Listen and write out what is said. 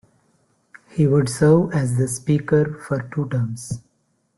He would serve as Speaker for two terms.